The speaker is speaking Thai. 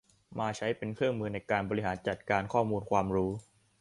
มาใช้เป็นเครื่องมือในการบริหารจัดการข้อมูลความรู้